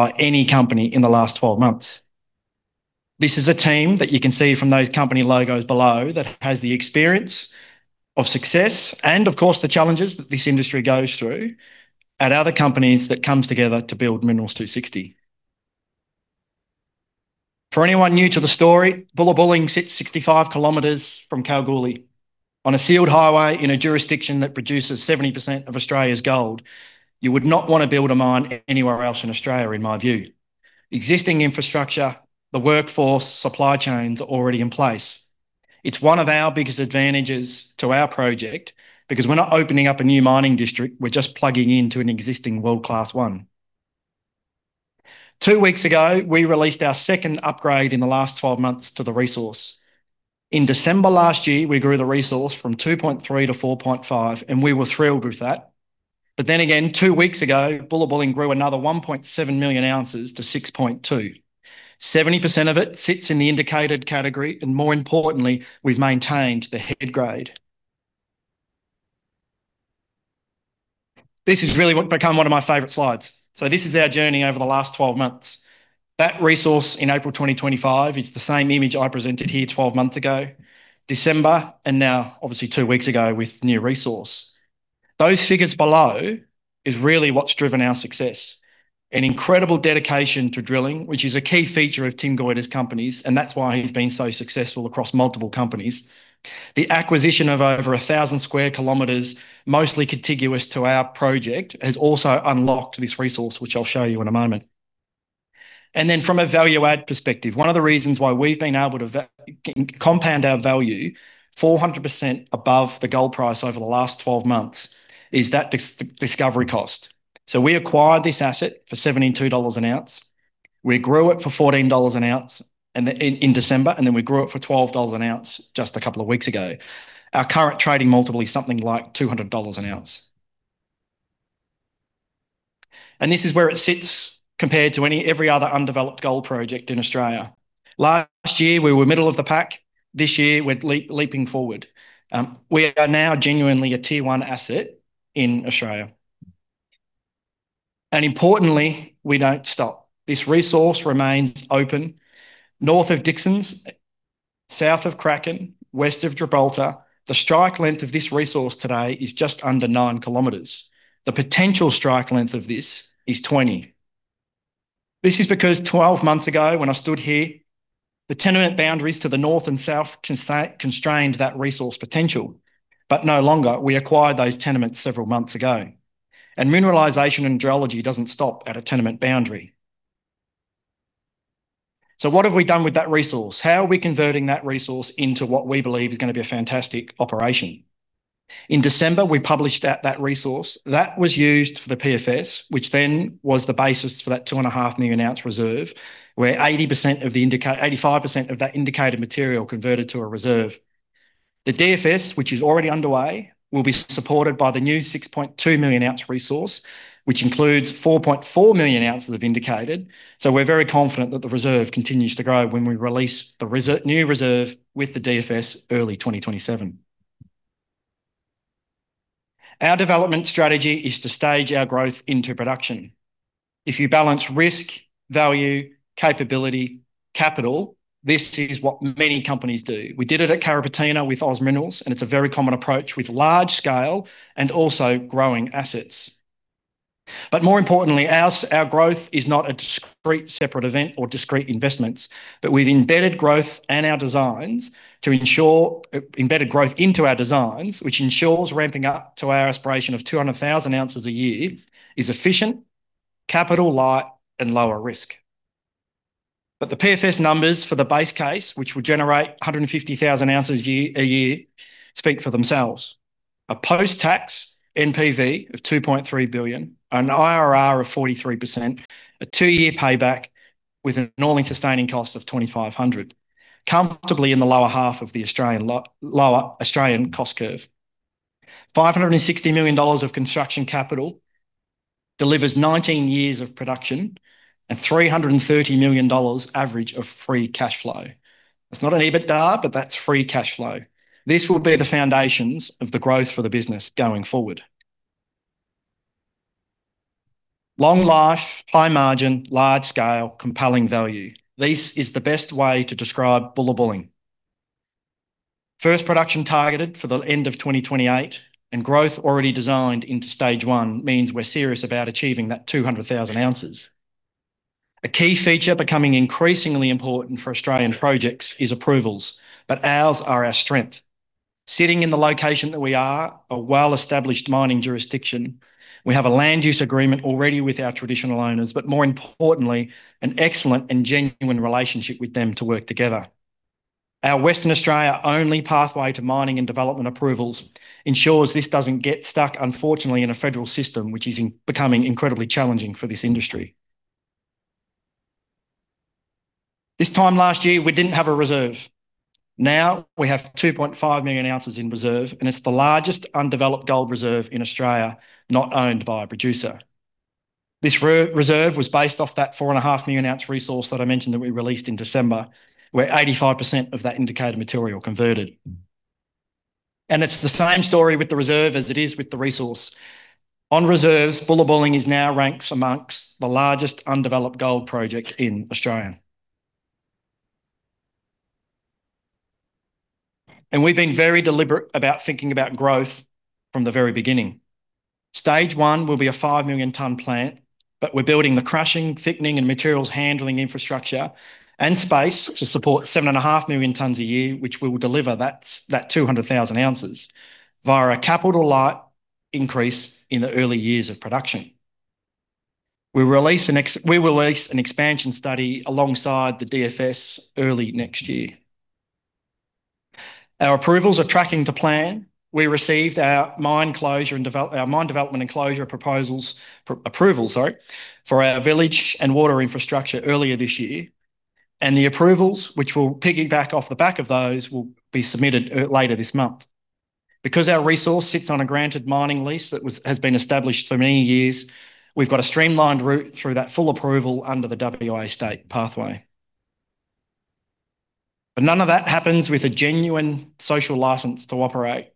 By any company in the last 12 months. This is a team that you can see from those company logos below that has the experience of success, of course, the challenges that this industry goes through at other companies that comes together to build Minerals 260. For anyone new to the story, Bullabulling sits 65 kilometers from Kalgoorlie on a sealed highway in a jurisdiction that produces 70% of Australia's gold. You would not want to build a mine anywhere else in Australia, in my view. Existing infrastructure, the workforce, supply chains are already in place. It is one of our biggest advantages to our project because we're not opening up a new mining district, we're just plugging into an existing world-class one. Two weeks ago, we released our second upgrade in the last 12 months to the resource. In December last year, we grew the resource from 2.3 to 4.5, and we were thrilled with that. Again, two weeks ago, Bullabulling grew another 1.7 million ounces to 6.2. 70% of it sits in the indicated category, and more importantly, we've maintained the head grade. This has really become one of my favorite slides. This is our journey over the last 12 months. That resource in April 2025, it's the same image I presented here 12 months ago, December, and now obviously two weeks ago with new resource. Those figures below is really what's driven our success. An incredible dedication to drilling, which is a key feature of Tim Goyder's companies, and that's why he's been so successful across multiple companies. The acquisition of over 1,000 square kilometers, mostly contiguous to our project, has also unlocked this resource, which I'll show you in a moment. From a value add perspective, one of the reasons why we've been able to compound our value 400% above the gold price over the last 12 months is that discovery cost. We acquired this asset for 72 dollars an ounce. We grew it for 14 dollars an ounce in December, and we grew it for 12 dollars an ounce just a couple of weeks ago. Our current trading multiple is something like 200 dollars an ounce. This is where it sits compared to every other undeveloped gold project in Australia. Last year, we were middle of the pack. This year, we're leaping forward. We are now genuinely a Tier 1 asset in Australia. Importantly, we don't stop. This resource remains open. North of Dixon, south of Kraken, west of Gibraltar. The strike length of this resource today is just under nine kilometers. The potential strike length of this is 20. This is because 12 months ago when I stood here, the tenement boundaries to the north and south constrained that resource potential. No longer, we acquired those tenements several months ago. Mineralization and geology doesn't stop at a tenement boundary. What have we done with that resource? How are we converting that resource into what we believe is going to be a fantastic operation? In December, we published that resource. That was used for the PFS, which then was the basis for that two and a half million ounce reserve, where 85% of that indicated material converted to a reserve. The DFS, which is already underway, will be supported by the new 6.2 million ounce resource, which includes 4.4 million ounces of indicated. We're very confident that the reserve continues to grow when we release the new reserve with the DFS early 2027. Our development strategy is to stage our growth into production. If you balance risk, value, capability, capital, this is what many companies do. We did it at Carrapateena with OZ Minerals, and it's a very common approach with large scale and also growing assets. More importantly, our growth is not a discrete separate event or discrete investments, but we've embedded growth into our designs, which ensures ramping up to our aspiration of 200,000 ounces a year is efficient, capital light, and lower risk. The PFS numbers for the base case, which will generate 150,000 ounces a year, speak for themselves. A post-tax NPV of 2.3 billion, an IRR of 43%, a two-year payback with an AISC of 2,500. Comfortably in the lower half of the Australian cost curve. 560 million dollars of construction capital delivers 19 years of production and 330 million dollars average of free cash flow. That's not an EBITDA, but that's free cash flow. This will be the foundations of the growth for the business going forward. Long life, high margin, large scale, compelling value. This is the best way to describe Bullabulling. First production targeted for the end of 2028 and growth already designed into stage 1 means we're serious about achieving that 200,000 ounces. A key feature becoming increasingly important for Australian projects is approvals, ours are our strength. Sitting in the location that we are, a well-established mining jurisdiction, we have a land use agreement already with our traditional owners, more importantly, an excellent and genuine relationship with them to work together. Our Western Australia only pathway to mining and development approvals ensures this doesn't get stuck, unfortunately, in a federal system, which is becoming incredibly challenging for this industry. This time last year, we didn't have a reserve. Now we have 2.5 million ounces in reserve, and it's the largest undeveloped gold reserve in Australia not owned by a producer. This reserve was based off that four and a half million ounce resource that I mentioned that we released in December, where 85% of that indicated material converted. It's the same story with the reserve as it is with the resource. On reserves, Bullabulling now ranks amongst the largest undeveloped gold project in Australia. We've been very deliberate about thinking about growth from the very beginning. Stage 1 will be a five million ton plant, we're building the crushing, thickening, and materials handling infrastructure, and space to support seven and a half million tons a year, which will deliver that 200,000 ounces via a capital light increase in the early years of production. We release an expansion study alongside the DFS early next year. Our approvals are tracking to plan. We received our mine development and closure proposals, approvals, sorry, for our village and water infrastructure earlier this year. The approvals, which we'll piggyback off the back of those, will be submitted later this month. Our resource sits on a granted mining lease that was, has been established for many years, we've got a streamlined route through that full approval under the WA state pathway. None of that happens with a genuine social license to operate.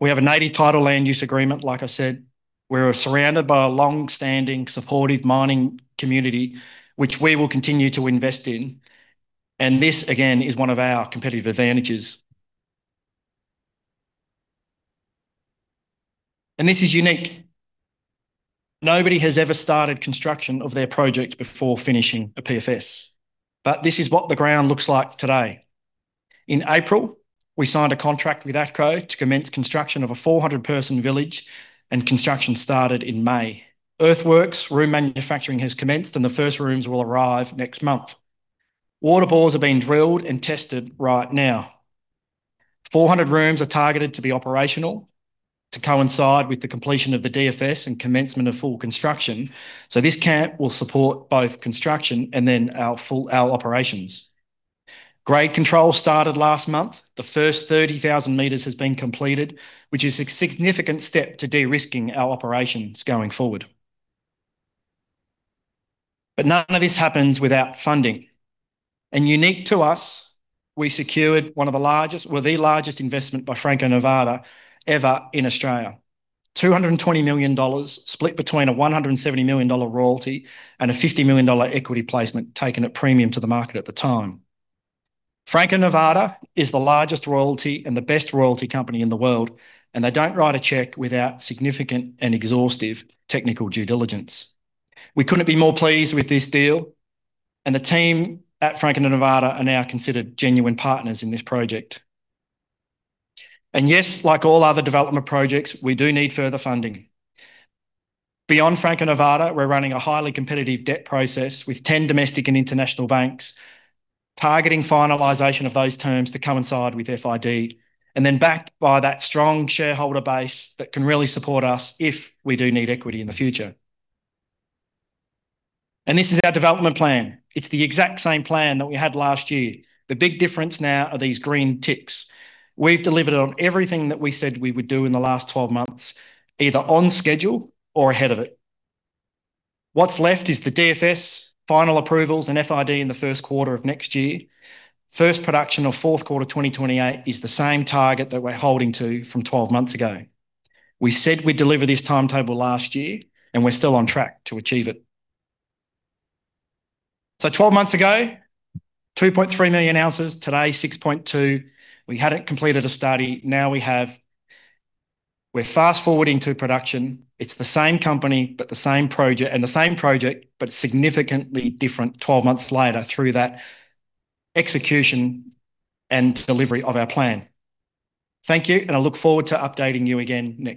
We have a native title land use agreement, like I said. We are surrounded by a long-standing supportive mining community, which we will continue to invest in. This, again, is one of our competitive advantages. This is unique. Nobody has ever started construction of their project before finishing a PFS. This is what the ground looks like today. In April, we signed a contract with ATCO to commence construction of a 400-person village, and construction started in May. Earthworks, room manufacturing has commenced, and the first rooms will arrive next month. Water bores are being drilled and tested right now. 400 rooms are targeted to be operational to coincide with the completion of the DFS and commencement of full construction. This camp will support both construction and then our full, our operations. Grade control started last month. The first 30,000 meters has been completed, which is a significant step to de-risking our operations going forward. None of this happens without funding. Unique to us, we secured one of the largest, or the largest investment by Franco-Nevada ever in Australia. 220 million dollars split between a 170 million dollar royalty and a 50 million dollar equity placement taken at premium to the market at the time. Franco-Nevada is the largest royalty and the best royalty company in the world, they don't write a check without significant and exhaustive technical due diligence. We couldn't be more pleased with this deal, and the team at Franco-Nevada are now considered genuine partners in this project. Yes, like all other development projects, we do need further funding. Beyond Franco-Nevada, we are running a highly competitive debt process with 10 domestic and international banks, targeting finalization of those terms to coincide with FID, then backed by that strong shareholder base that can really support us if we do need equity in the future. This is our development plan. It is the exact same plan that we had last year. The big difference now are these green ticks. We have delivered on everything that we said we would do in the last 12 months, either on schedule or ahead of it. What is left is the DFS final approvals and FID in the first quarter of next year. First production of fourth quarter 2028 is the same target that we are holding to from 12 months ago. We said we would deliver this timetable last year, and we are still on track to achieve it. 12 months ago, 2.3 million ounces. Today, 6.2. We had not completed a study, now we have. We are fast-forwarding to production. It is the same company, the same project, and the same project, significantly different 12 months later through that execution and delivery of our plan. Thank you, and I look forward to updating you again next.